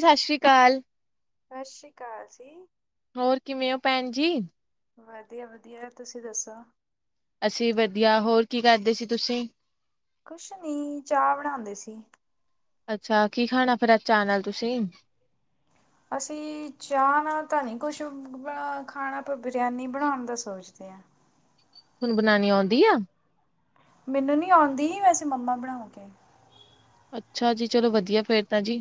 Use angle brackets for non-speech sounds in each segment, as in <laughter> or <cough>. ਸਤਿ ਸ੍ਰੀ ਅਕਾਲ ਸਤਿ ਸ਼੍ਰੀ ਅਕਾਲ ਜੀ ਹੋਰ ਕਿਵੇਂ ਹੋ, ਭੈਣ ਜੀ ਵਧੀਆ, ਵਧੀਆ। ਤੁਸੀਂ ਦੱਸੋ? ਅਸੀਂ ਵਧੀਆ ਹੋਰ ਕੀ ਕਰਦੇ ਸੀ ਤੁਸੀਂ ਕੁਛ ਨੀ ਚਾਹ ਬਣਾਉਂਦੇ ਸੀ ਅੱਛਾ ਕੀ ਖਾਣਾ ਫੇਿਰ ਚਾਅ ਨਾਲ ਤੁਸੀਂ ਅਸੀਂ ਚਾਹ ਨਾਲ ਤਾਂ ਨਹੀਂ ਕੁਛ ਬਣਾ ਖਾਣਾ ਆਪ ਬਰਿਆਨੀ ਬਣਾਉਣ ਦਾ ਸੋਚਦੇ ਹਾਂ। ਤੁਹਨੂੰ ਬਣਾਉਣੀ ਆਉਂਦੀ ਆ ਮੈਨੂੰ ਨੀ ਆਉਂਦੀ ਹੀ ਵੈਸੇ ਮੰਮਾ ਬਣਾ ਕੇ ਅੱਛਾ ਜੀ ਚਲੋ ਵਧੀਆ ਫੇਰ ਤਾਂ ਜੀ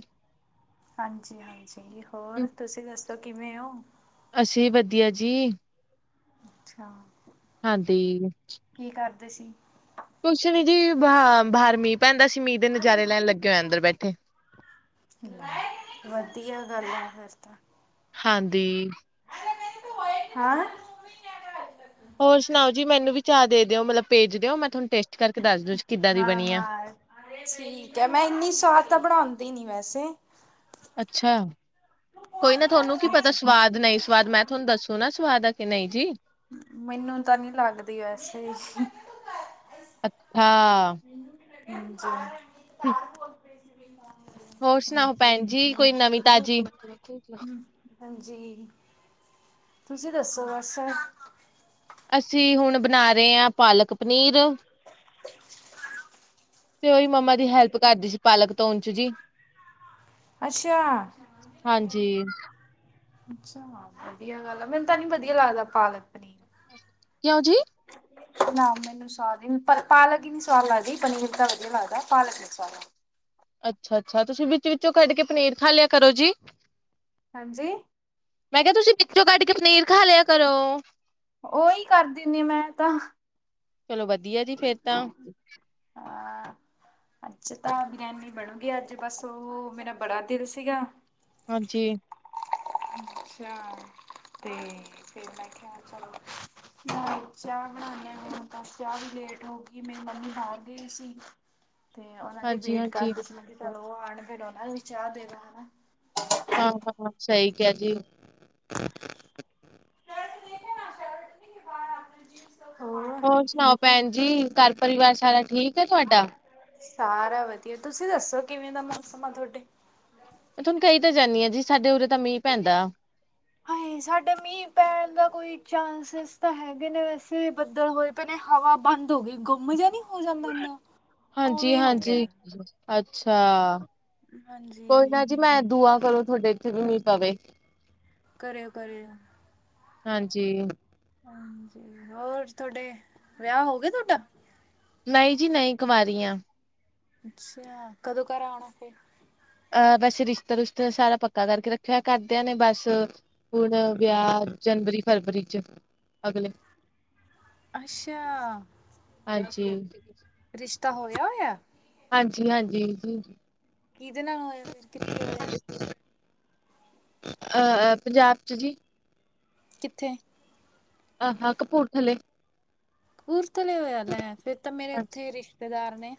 ਹਾਂਜੀ ਹਾਂਜੀ ਹੋਰ ਹਮ, ਤੁਸੀਂ ਦੱਸੋ ਕਿਵੇਂ ਹੋ ਅਸੀਂ ਵਧੀਆ ਜੀ ਅੱਛਾ ਹਾਂਜੀ ਦਸੀ ਕੁਛ ਨੀ ਜੀ ਬ ਬਾਹਰ ਮੀਂਹ ਪੈਂਦਾ ਸੀ ਮੀਂਹ ਦੇ ਨਜ਼ਾਰੇ ਲੈਣ ਲੱਗੇ ਹੋਏ ਅੰਦਰ ਬੈਠੇ ਵਧੀਆ ਗੱਲ ਆ ਫਿਰ ਤਾਂ ਹਾਂਜੀ ਹੈਂ ਹੋਰ ਸੁਣਾਓ ਜੀ ਮੈਨੂੰ ਵੀ ਚਾਹ ਦੇ ਦਿਓ ਮਤਲਬ ਭੇਜ ਦਿਓ ਮੈਂ ਤੁਹਾਨੂੰ ਟੇਸਟ ਕਰਕੇ ਦੱਸ ਦੂ ਕਿੱਦਾਂ ਦੀ ਹਾਂ ਬਣੀ ਆ। ਹਾਂ ਠੀਕ ਹੈ ਮੈਂ ਇੰਨੀ ਸਵਾਦ ਤਾਂ ਬਣਾਉਂਦੀ ਨੀ ਵੈਸੇ ਅੱਛਾ ਕੋਈ ਨਾ ਤੁਹਾਨੂੰ ਕੀ ਪਤਾ ਅੱਛਾ ਸਵਾਦ ਨਹੀਂ ਸਵਾਦ ਮੈਂ ਤੁਹਾਨੂੰ ਦੱਸੂ ਨਾ ਸਵਾਦ ਨਹੀਂ ਜੀ ਮੈਨੂੰ ਤਾਂ ਨਹੀਂ ਲੱਗਦੀ ਵੈਸੇ ਅੱਛਾ ਹਾਂਜੀ ਹਮ ਪ੍ਰਸ ਹੋਰ ਸੁਣਾਓ ਭੈਣ ਜੀ ਕੋਈ ਨਵਮੀਂ ਤਾਜ਼ੀ ਹਾਂਜੀ ਤੁਸੀਂ ਦੱਸੋ ਬਸ ਅਸੀਂ ਹੁਣ ਬਣਾ ਰਹੇ ਹਾਂ ਪਾਲਕ ਪਨੀਰ ਤੇ ਉਹੀ ਮੰਮਾ ਦੀ ਹੈਲਪ ਕਰਦੀ ਸੀ ਪਾਲਕ ਤੋਂ ਜੀ ਅੱਛਾ ਹਾਂਜੀ ਅੱਛਾ ਵਧੀਆ ਗੱਲ ਆ ਮੈਨੂੰ ਤਾਂ ਨਹੀਂ ਵਧੀਆ ਲੱਗਦਾ ਪਾਲਕ ਪਨੀਰ ਕਿਉਂ ਜੀ ਨਾ ਮੈਨੂੰ ਸਵਾਦ ਹੀ ਪਾਲਕ ਹੀ ਨੀ ਸਵਾਦ ਲੱਗਦੀ ਪਨੀਰ ਤਾਂ ਵਧੀਆ ਲੱਗਦਾ ਪਾਲਕ ਨੀ ਸਵਾਦ ਲੱਗਦੀ ਅੱਛਾ ਅੱਛਾ ਤੁਸੀਂ ਵਿੱਚ ਵਿਚੋ ਕੱਢ ਕੇ ਪਨੀਰ ਖਾ ਲਿਆ ਕਰੋ ਜੀ ਹਾਂਜੀ ਮੈਂ ਕਿਹਾ ਤੁਸੀਂ ਪਿੱੋਂ ਕੱਢ ਕੇ ਪਨੀਰ ਖਾ ਲਿਆ ਕਰਰੋਂ ਉਹੀ ਕਰ ਦਿੰਨ ਮੈਂ ਤਾਂ ਚਲੋ ਵਧੀਆ ਜੀ ਫੇਰ ਤਾਂ ਅੱਛਾ ਤਾਂ ਬਰਿਆਨੀ ਬਣੂਗੀ ਅੱਜ ਬਸ ਉਹ ਮੇਰਾ ਬੜਾ ਦਿਲ ਸੀਗਾ ਹਾਂਜੀ ਅੱਛਾ ਤੇ ਫਿਰ ਮੈਂ ਕਿਹਾ ਚਲੋ ਆਹੋ ਚਾਹ ਬਣਾਈ ਆ ਮੈਨੂੰ ਤਾਂੱਸ ਚਾਹ ਵੀ ਲੇਟ ਹੋ ਗਈ ਮੇਰੀ ਮੰਮੀ ਬਾਹਰ ਗਏ ਸੀ ਤੇ ਉਹਨਾਂ ਦੀ ਹਾਂਜੀ ਵੇਟ ਹਾਂਜੀ ਕਰਦੇ ਸੀ ਮ ਚਲ ਉਹ ਆਉਣ ਫਿਰ ਉਹਨਾਂ ਨੂੰ ਵੀ ਚਾਹ ਦੇਣਾ ਹਨਾ ਹਾਂ ਹਾਂ ਸਹੀ ਕਿਹਾ ਜੀ ਹਾਂਜੀ ਹੋਰ ਸੁਣਾਓ ਭੈਣ ਜੀ ਘਰ ਪਰਿਵਾਰ ਸਾਰਾ ਠੀਕ ਹੈ ਤੁਹਾਡਾ ਸਾਰਾ ਵਧੀਆ ਤੁਸੀਂ ਦੱਸੋ ਕਿਵੇਂ ਦਾ ਮੌਸਮ ਆ ਤੁਹਾਡੇ ਮੈਂ ਤੁਹਾਨੂੰ ਕਹੀ ਤਾਂ ਜਾਂਦੀ ਹਾਂ ਜੀ ਸਾਡੇ ਉਰੇ ਤਾਂ ਮੀਂਹ ਪੈਂਦਾ ਹਾਏ ਸਾਡੇ ਮੀਂਹ ਪੈਣ ਦਾ ਕੋਈ ਚਾਂਸਿਸ ਤਾਂ ਹੈਗੇ ਨੇ ਵੈਸੇ ਬੱਦਲ ਹੋਏ ਪਏ ਨੇ ਹਵਾ ਬ ੰਦ ਹੋ ਗਈ ਗੁੰਮ ਜਾ ਨੀ ਹਾਂਜੀ ਗਿਆ। ਹਾਂਜੀ ਅੱ ਅੱਛਾ ਕੋਈ ਨਾ ਹਾਂਜੀ ਜੀ ਮੈਂ ਦੂਆਂ ਕਰੋ ਤੁਹਾਡੇ ਇੱਥੇ ਵੀਣੀ ਪਵੇ ਕਰਿਓ ਕਰਿਓ ਹਾਂਜੀ ਹਾਂਜੀ ਹੋਰ ਤੁਹਾਡੇ ਵਿਆਹ ਹੋ ਗਏ ਤੁਹਾਡਾ ਨਹੀਂ ਜੀ ਨਹੀਂ ਕਮ ਰ ਆ ਅੱਛਾ ਕਦੋਂ ਘਰ ਆਉਣਾ ਫੇ ਅਹ ਬਸ ਰਿਸ਼ਤਾ ਰੁਸ਼ਤਾ ਸਾਰਾ ਪੱਕਾ ਕਰਕੇ ਰੱਖਿਆ ਹੋਇਆ ਕਰਦਿਆਂ ਨੇ ਬਸ ਹੁਣ ਵਿਆਹ ਜਨਵਰੀ ਫਰਵਰੀ ਚ ਅਗਲੇ ਅੱਛਾ ਹਾਂਜੀ ਰਿਸ਼ਤਾ ਹੋਇਆ ਹੋਇਆ ਹਾਂਜੀ ਹਾਂਜੀ ਕਿਹਦੇ ਨਾਲ ਹੋਇਆ ਫਿਰ ਕਿੱਥੇ ਹੋਇਆ ਅਹ ਪੰਜਾਬ ਚ ਜੀ ਕਿਥੇ ਆਹ ਕਪੂਰਥੱਲ ਪੂਰਥਲੇ ਹੋਇਆ ਲੈ ਫੇਿਰ ਤਾਂ ਮੇਰੇ ਉੱਥੇ ਰਿਸ਼ਤੇਦਾਰ ਨੇ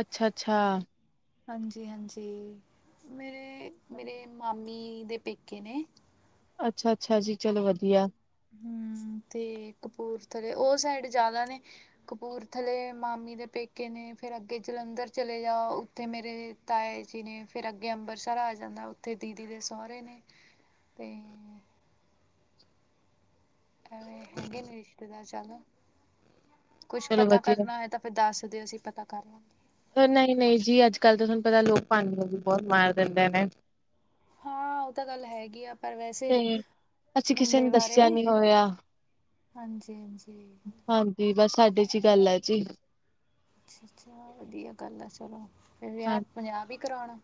ਅੱਛਾ ਅੱਛਾ ਹਾਂਜੀ ਹਾਂਜੀ ਮੇਰੇ ਮੇਰੇ ਮਾਮੇ ੀ ਦੇ ਪੇਕੇ ਨੇ ਅੱਛਾ ਅੱਛਾ ਜੀ ਚਲੋ ਵਧੀਆ ਹੂੰ ਤੇ ਕਪੂਰਥਲੇ ਉਹ ਸਾਈਡ ਜ਼ਿਆਦਾ ਨੇ ਕਪੂਰਥਲੇ ਮਾਮੀ ਦੇ ਪੇਕੇ ਨੇ ਫਿਰ ਅੱਗੇ ਜਲੰਧਰ ਚਲੇ ਜਾਓ ਉੱਥੇ ਮੇਰੇ ਤਾਏ ਜੀ ਨੇ ਫਿਰ ਅੱਗੇ ਅੰਮਬਰਿਤਸਰ ਆ ਜਾਂਦਾ ਉੱਥੇ ਦੀਦੀ ਦੇ ਸਹੁਰਰੇ ਨੇ ਤੇ ਐਵੇਂ ਹੈਗੇ ਨੇ ਰਿਸ਼ਤੇਦਾਰ ਚੱਲ ਕੁਛ ਚਲੋ ਪਤਾ ਵਧੀਆ। ਕਰਨਾ ਹੈਏ ਤਾਂ ਫਿਰ ਦੱਸ ਦਿਓ ਅਸੀਂ ਪਤਾ ਕਰ ਲਾਂਗੇ ਨਹੀਂ ਨਹੀਂ ਜੀ ਅੱਜ ਕੱਲ੍ਹ ਤਾਂ ਤੁਹਾਨੂੰ ਪਤਾ ਲੋਕ ਪਾਡੀਆਂ ਵੀ ਬਹੁਤ ਮਾਰ ਦਿੰਦੇ ਨੇ ਹਾਂ ਉਹ ਤਾਂ ਗੱਲ ਹੈਗੀ ਆ ਪਰ ਵੈਸੇ ਤੇ ਅਸੀਂ ਕਿਸੇ ਮੁੰਡੇ ਨੂੰ ਬਾਰੇ ਦੱਸਿਆ ਨੀ ਹੋਇਆ ਹਾਂਜੀ ਹਾਂਜੀ ਹਾਂਜੀ ਬਸ ਸਾਡੇ ਚ ਹੀ ਗੱਲ ਹੈ ਜੀ ਅੱਛਾ ਅੱਛਾ ਵਧੀਆ ਗੱਲ ਆ ਚਲੋ ਫਿਰ ਵਿਆਹ ਪੰਜਾਬ ਹੀ ਕਰਾਉਣਾ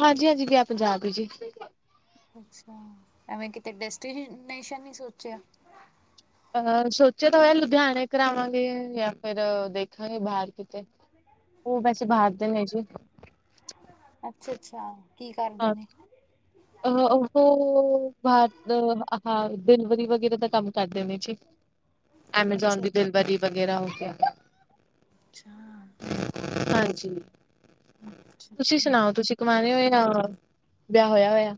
ਹਾਂਜੀ ਹਾਂਜੀ ਗਿਆ ਪੰਜਾਬ ਹੀ ਜੀ ਅੱਛਾ ਐਵੇਂ ਕਿਤੇ ਡੈਸਟੀੇ ਨੇਸ਼ਨ ਨਹੀਂ ਸੋਚਿਆ ਅਹ ਸੋਚਿਆ ਤਾਂ ਹੋਇਆ ਲੁਧਿਆਣੇ ਕਰਾਵਾਂਗੇ ਜਾਂ ਫਿਰ ਦੇਖਾਂਗੇ ਬਾਹਰ ਕਿਤੇ ਉਹ ਵੈਸੇ ਬਾਹਰ ਦੇ ਨੇ ਜੀ ਅੱਛਾ ਅੱਛਾ ਕੀ ਕਰਦੇ ਨੇ ਅ ਹੋ ਹ ਹ ਡਿਲਵਰੀ ਵਗਰਾ ਤਾਂ ਕੰਮ ਕਰਦੇ ਨੇ ਜੀ ਐਮਾਜ਼ੋਨ ਅੱਛਾ ਦੀ ਅੱਛਾ ਦਿਲਵਰੀ ਵਗੈਰਾ ਹੋ ਗਿਆ ਅੱਛਾ ਹਾਂਜੀ ਅੱਛਾ ਤੁਸੀਂ ਸੁਣਾਓ ਤੁਸੀਂ ਕਵਾਰੇ ਹੋਏ ਆ ਵਿਆਹ ਹੋਇਆ ਹੋਇਆ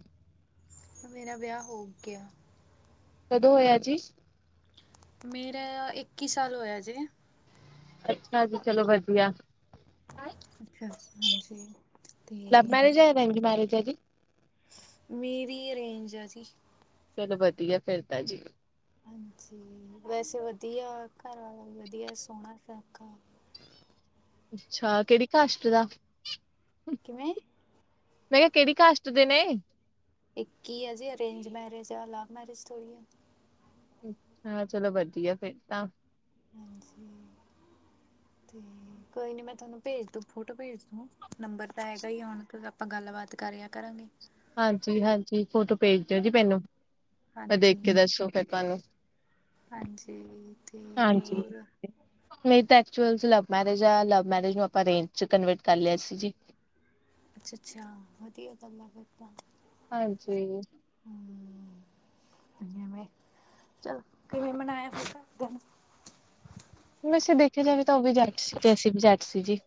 ਮੇਰਾ ਵਿਆਹ ਹੋ ਗਿਆ ਕਦੋਂ ਹੋਇਆ ਜੀ ਮੇਰਾ ਇੱਕੀ ਸਾਲ ਹੋਇਆ ਜੇ ਅੱਛਾ ਜੀ ਚਲੋ ਵਧੀਆ ਅੱਛਾ ਅ ਹਾਂਜੀ ਲਵ ਅਤੇ ਮੈਰਿਜ ਹੈ ਅਰੇਂਜ ਮੈਰਿਜ ਹੈ ਜੀ ਮੇਰੀ ਅਰੇਂਜ ਆ ਜੀ ਚਲੋ ਵਧੀਆ ਫੇਿਰ ਤਾਂ ਜੀ ਹਾਂਜੀ ਵੈਸੇ ਵਧੀਆ ਘਰਾ ਵਧੀਆ ਸੋਹਣਾ ਸਕਾ ਅੱਛਾ ਕਿਹੜੀ ਕਾਸ਼ਟ ਦਾ ਕਿਵੇਂ ਮ ਕਿਹਾ ਕਿੜ ਕਾਸਟ ਦੇ ਨੇ ਇੱਕ ਹੀ ਆ ਜੀ ਅਰੇਂਜ ਮੈਰਿਜ ਆ ਲਵ ਮੈਰਿਜ ਥੋੜ੍ਹੀ ਆ ਹਾਂ ਚਲੋ ਵਧੀਆ ਫਿਰ ਤਾਂ ਹਾਂਜੀ ਤੇ ਕੋਈ ਨੀ ਮੈਂ ਤੁਹਾਨੂੰ ਭੇਜ ਦ ਫੋਟੋ ਭੇਜ ਦੂੰ ਨੰਬਰ ਤਾਂ ਹੈਗਾ ਹੀ ਹੁਣ ਆਪਾਂ ਗੱਲਬਾਤ ਕਰਿਆ ਕਰਾਂਗੇ ਹਾਂਜੀ ਹਾਂਜੀ ਫੋਟੋ ਭੇਜ ਦਿਓ ਜੀ ਮੈਨੂੰ ਦੇਖ ਕੇ ਹਾਂਜੀ ਦੱਸੋ ਫਿਰ ਤੁਹਾਨੂੰ ਹਾਂਜੀ ਅਤੇ ਹੋਰ ਵ ਮੈਿਜ ਲਵ ਮੈਿਜ ਨੂੰ ਆਪਾਂ ਅਂਜ ਕਨਰਟ ਕਰ ਲਿਆ ਸੀ ਜ ਅੱਛਾ ਅੱਛਾ ਵਧੀਆ ਫ ਹਾਂਜੀ ਮ ਚੱਲ ਕਿਵੇਂ ਮਨਾਇਆ ਹੋ ਘ ਦਿਨ ਵੈਸੇ ਦੇਖਿਆ ਜਾਵੇ ਤਾਂ ਉਹ ਵੀ ਜੱਟ ਸੀ ਤੇ ਅਸੀ ਵੀ ਜੱਟ ਸੀ ਜੀ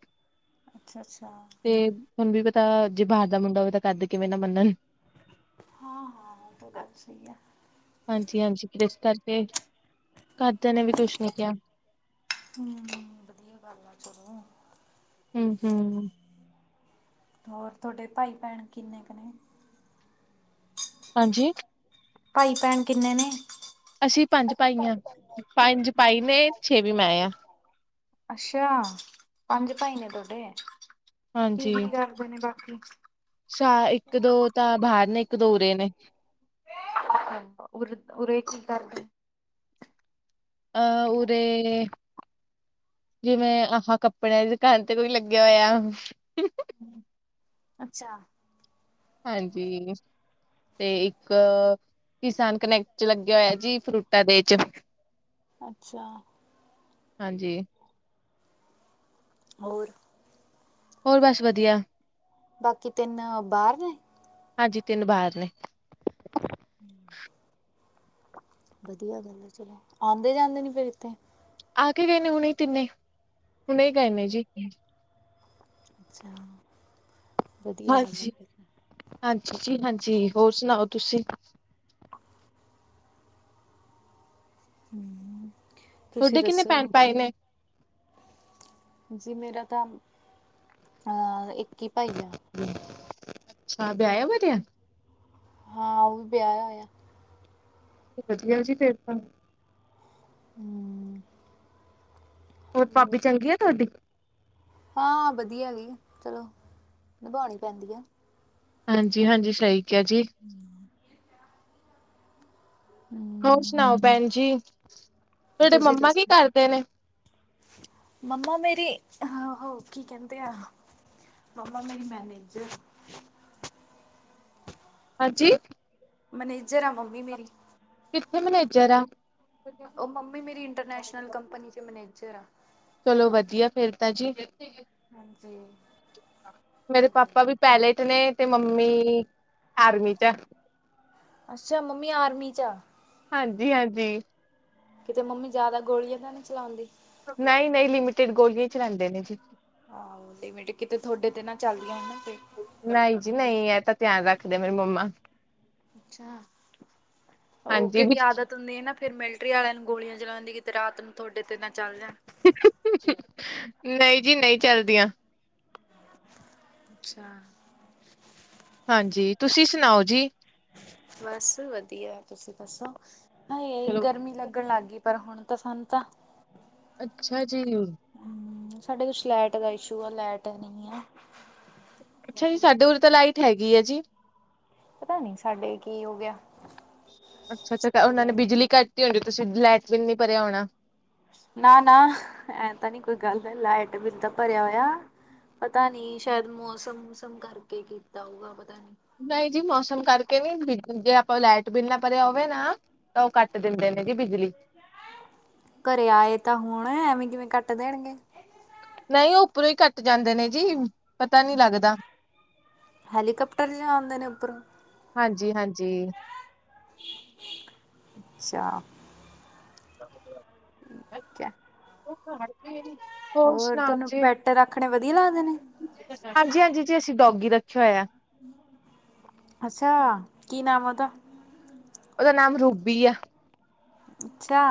ਅੱਛਾ ਅੱਛਾ ਤੇ ਤੁਹਾਨੂੰ ਵੀ ਪਤਾ ਜੇ ਬਾਹਰ ਦਾ ਮੁੰਡਾ ਹੋਵੇ ਤਾਂ ਕਰਦੇ ਕਿਵੇਂ ਨਾ ਮੰਨਣ ਹਾਂ ਹਾਂ ਉਹ ਤਾਂ ਗੱਲ ਸਹੀ ਆ ਹਾਂਜੀ ਹਾਂਜੀ ਫ ਇਸ ਕਰਕੇ ਘਰਦਿਆਂ ਨੇ ਵੀ ਕੁਛ ਨੀ ਕਿਹਾ ਹ ਵਧੀਆ ਗੱਲ ਆ ਚਲੋ ਹਮ ਹਮ ਹੋਰ ਤੁਹਾਡੇ ਭਾਈ ਭੈਣ ਕਿੰਨੇ ਕੁ ਨੇ ਹਾਂਜੀ ਭਾਈ ਭੈਣ ਕਿੰਨੇ ਨੇ ਅਸੀਂ ਪੰਜ ਅੱਛਾ ਭਾਈ ਹਾਂ ਪੰਜ ਭਾਈ ਨੇ ਛੇ ਵੀ ਮੈਂ ਹ ਅੱਛਾ ਪੰਜ ਭਾਈ ਨੇ ਤੁਹਾਡੇ ਕੀ ਕੀ ਹਾਂਜੀ ਕਰਦੇ ਨੇ ਬਾਕੀ ਸਾ ਇੱਕ ਦੋ ਤਾਂ ਬਰ ਇਨੇ ਇੱਕ ਓਰੇ ਨੇ ਆਹ ਓਰੇ ਕਿ ਕਰਦੇ ਨੇ ਅਹ ਉਰੇ ਜਿਵੇਂ ਆਹ ਕੱਪੜਿਆਂ ਦੀ ਦੁਕਾਨ ਤੇ ਕੋਈ ਲੱਗਿਆ ਹੋਇਆ ਅੱਛਾ ਹਾਂਜੀ ਤੇ ਇੱਕ ਕਿਸਾਨ ਕਨੈਕਟ ਚ ਲੱਗੇ ਹੋਇਆ ਜੀ ਫਰੂਟਾਂ ਦੇ ਚ ਅੱਛਾ ਹਾਂਜੀ ਹੋਰ ਹੋਰ ਬਸ ਵਧੀਆ ਬਾਕੀ ਤਿੰਨ ਬਾਹਰ ਨੇ ਹਾਂਜੀ ਤਿੰਨ ਬਾਰ ਨੇ ਵਧੀਆ ਗੱਲ ਹੈ ਚਲੋ ਆਉਂਦੇ ਜਾਂਦੇ ਨੀ ਫੇ ਕਿੱਥੇ ਆ ਕੇ ਗਏ ਨੇ ਹੁਣੇ ਤਿੰਨੇ ਹੁਣੇ ਹੀ ਗਏ ਨੇ ਜੀ ਅੱਛਾ ਵਧੀਆ ਗੱਲ ਹੈ ਹਾਂਜੀ ਫਿਰ ਹਾਂਜੀ ਜੀ ਹਾਂਜੀ ਹੋਰ ਸੁਣਾਓ ਤੁਸੀਂ ਹਮ ਤੁਸੀਂ ਤੁਹਾਡੇ ਕਿੰਨੇ ਪੈਣ ਦੱਸੋ ਪਾਏ ਨੇ ਜੀ ਮੇਰਾ ਤਾਂ ਅਹ ਇੱਕ ਹੀ ਭਾਈ ਆ ਅੱਛਾ ਵਿਆਇਆ ਵਧਿਆਂ ਹਾਂ ਉਹ ਵੀ ਵਿਆਹ ਹੋਇਆ ਵਧੀਆ ਜੀ ਫਿਰ ਤਾਂ ਹਮ ਉਹ ਹੋਰ ਭਾਬੀ ਚੰਗੀ ਆ ਤੁਹਾਡੀ ਹਾਂ ਵਧੀਆ ਵੀ ਚਲੋ ਨਿਭਾਉਣੀ ਪੈਂਦੀ ਆ ਹਾਂਜੀ ਹਾਂਜੀ ਸਹੀਕ ਜੀ ਹੋਰ ਹਮ ਸੁਣਾਓ ਭੈਣ ਜੀ ਤੁਹਾਡੇ ਤੁਸੀਂ ਮੰਮਾ ਕੀ ਦੱਸੋ ਕਰਦੇ ਨੇ ਮੰਮਾ ਮੇਰੀ ਆਹੋ ਕੀ ਕਹਿੰਦੇ ਆ ਮੰਮਾ ਮੇਰੀ ਮੈਨੇਜ <inaudible> ਹਾਂਜੀ ਮਨੇਜਰ ਆ ਮੰਮੀ ਮੇਰੀ ਹ ਮਨਜਾਰ ਉਹ ਮੰਮੀ ਮੇਰੀ ਇੰਟਰਨੈਸ਼ਨਲ ਕੰਪਨੀ ਚ ਮੈਨੇਜਰ ਆ ਚਲੋ ਵਧੀਆ ਫੇਰ ਤਾਂ ਜੀ ਹਾਂਜੀ ਮੇਰੇ ਪਾਪਾ ਵੀ ਪਹਿਲੇ ਚ ਨੇ ਤੇ ਮੰਮੀ ਆਰਮੀ ਚ ਆ ਅੱਛਾ ਮੰਮੀ ਆਰਮੀ ਚ ਆ ਹਾਂਜੀ ਹਾਂਜੀ ਕਿਤੇ ਮੰਮੀ ਜਿਆਦਾ ਗੋਲੀਆਂ ਤਾਂ ਨਹੀਂ ਚਲਾਉਂਦੀ ਨਹੀਂ ਨਹੀਂ ਲਿਮਿਟਿਡ ਗੋਲੀਆਂ ਚ ਰਹਦੇ ਨੇ ਜੀ ਕਿਤੇ ਤੁਹਾਡੇ ਤੇ ਨਾ ਚੱਲਦੀਆਂ ਹਨ ਨਾ ਫ ਨਹੀਂ ਜੀ ਨਹੀਂ ਇਹ ਤਾਂ ਧਿਆਨ ਰੱਖਦੇ ਮੇਰੀ ਮੰਮਾ ਅਛ ਉਹ ਹਾਂਜੀ ਵੀ ਕਿਉਂਕਿ ਆਦਤ ਹੁੰਦੀ ਹੈ ਨਾ ਫਿਰ ਮਿਲਟਰੀ ਵਾਲਿਆਂ ਨੂੰ ਗੋਲੀਆਂ ਚਲਾਉਂਦੀ ਕਿ ਤੇ ਰਾਤ ਨੂੰ ਤੁਹਾਡੇ ਤੇ ਨਾ ਚੱਲ ਜਾ ਨਹੀਂ ਜੀ ਨਹੀਂ ਚੱਲਦੀਆਂ ਅੱਛਾ ਹਾਂਜੀ ਤੁਸੀਂ ਸੁਣਾਓ ਜੀ ਬਸ ਵਧੀਆ ਤੁਸੀਂ ਦੱਸੋ ਹ ਚਲੋ ਗਰਮੀ ਲੱਗ ਲੱਗਣ ਲੱਗ ਗਈ ਪਰ ਹੁਣ ਤਾਂ ਸਾਨੂੰ ਤਾਂ ਅੱਛਾ ਜੀ ਹੂੰ ਸਾਡੇ ਕੁਛ ਲਾਈਟ ਦਾ ਇਸ਼ੂ ਹੈ ਲਾਈਟ ਨਹੀਂ ਹੈ ਅੱਛਾ ਜੀ ਸਾਡੇ ਉਰ ਤਾਂ ਲਾਈਟ ਹੈਗੀ ਆ ਜੀ ਪਤਾ ਨੀ ਸਾਡੇ ਕੀ ਹੋ ਗਿਆ ਅੱਛਾ ਅੱਛਾ ਸਾਡੀ ਉਹਨਾਂ ਨੇ ਲਾਈਟ ਨੂੰ। ਬਿਜਲੀ ਕੱਟਤੀ ਹੋਣੀ ਤੁਸੀਂ ਲਾਈਟ ਵੀ ਨੀ ਭਰਿਆ ਹੋਣਾ ਨਾ ਨਾ ਐਂ ਤਾਂ ਨੀ ਕੋਈ ਗੱਲ ਲਾਈਟ ਬਿੱਲ ਤਾਂ ਭਰਿਆ ਹੋਇਆ ਪਤਾ ਨੀ ਸ਼ਾਇਦ ਮੌਸਮੂਸਮ ਕਰਕੇ ਕੀਤਾ ਹੋਊਗਾ ਪਤਾ ਨੀ ਨਹੀਂ ਜੀ ਮੌਸਮ ਕਰਕੇ ਨੀ ਜੇ ਆਪਾਂ ਲਾਈਟ ਬਿੱਲਣਾ ਭਰਿਆ ਹੋਵੇ ਨਾ ਤਾਂ ਉਹ ਕੱਟ ਦਿੰਦੇ ਨੇ ਜੀ ਬਿਜਲੀ ਘਰੇ ਆਏ ਤਾਂ ਹੁਣ ਐਵੇਂ ਕਿਵੇਂ ਕੱਟ ਦੇਣਗੇ ਨਹੀਂ ਉੱਪਰੋਂ ਹੀ ਕੱਟ ਜਾਂਦੇ ਨੇ ਜੀ ਪਤਾ ਨਹੀਂੀ ਲੱਗਦਾ ਹੈਲੀਕਾਪਟਰ ਚ ਆਉਂਦੇ ਨੇ ਉੱਪਰੋਂ ਹਾਂਜੀ ਹਾਂਜੀ ਅੱਛਾ ਬਹੁਤ ਕਿਆ ਹੜਕੇ ਹੋਰ ਸੁਣਾਓ ਤੁਹਾਨੂੰ ਜੀ ਪੈਟ ਰੱਖਣੇ ਵਧੀਆ ਲੱਗਦੇ ਨੇ ਹਾਂਜੀ ਹਾਂਜੀ ਜੀ ਅਸੀਂ ਡੋਗੀ ਦਾ ਅੱਛਾ ਕੀ ਨਾਮ ਉਹਦਾ ਉਹਦਾ ਨਾਮ ਰੂਬੀ ਆ ਅੱਛਾ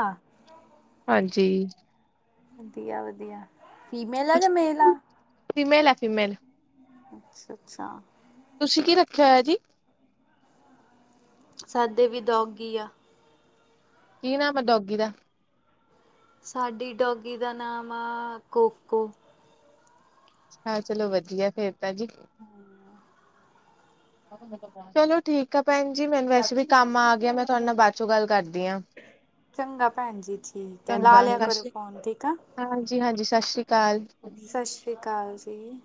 ਹਾਂਜੀ ਵਧੀਆ ਵਧੀਆ ਫੀਮੇਲ ਆ ਜਾਂ ਮੇਲ ਆ ਫਿਮੇਲ ਹੈ ਫੀਮੇਲ ਅੱਛਾ ਅੱਛਾ ਤੁਸੀਂ ਕੀ ਰੱਖਿਆ ਹੋਇਆ ਜੀ ਸਾਦੇ ਵੀ ਦੌਗੀ ਆ ਕੀ ਨਾਮ ਡੋਗੀ ਦਾ ਸਾਡੀ ਡੌਗੀ ਦਾ ਨਾਮ ਆ ਕੋਕੋ ਹਾਂ ਚਲੋ ਵਧੀਆ ਫੇਰ ਤਾਂ ਜੀ ਹਮ ਚਲੋ ਠੀਕ ਆ ਭੈਣ ਜੀ ਮੈਨੂੰ ਵੈਸੇ ਵੀ ਕੰਮ ਆ ਗਿਆ ਮੈਂ ਤੁਹਾਡੇ ਨਾਲ ਬਾਅਦ ਚੋਂ ਗੱਲ ਕਰਦੀ ਦੀਆਂ ਚੰਗਾ ਭੈਣ ਜੀ ਠੀਕ ਹੈ ਲਾ ਚੰਗਾ ਲਿਆ ਸਤਿ ਕਰੋ ਸ੍ਰੀ ਫੋਨ ਠੀਕ ਆ ਹਾਂਜੀ ਹਾਂਜੀ ਸਤਿ ਸ੍ਰੀ ਅਕਾਲ ਸਤਿ ਸ਼੍ਰੀ ਅਕਾਲ ਜੀ